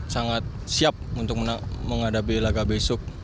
sangat siap untuk menghadapi laga besok